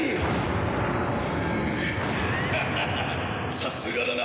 さすがだな！